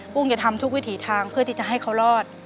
ุ้งจะทำทุกวิถีทางเพื่อที่จะให้เขารอด